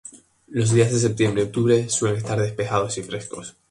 Los días de septiembre y octubre suelen estar despejados y frescos;